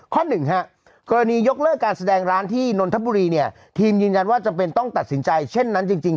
หนึ่งฮะกรณียกเลิกการแสดงร้านที่นนทบุรีเนี่ยทีมยืนยันว่าจำเป็นต้องตัดสินใจเช่นนั้นจริง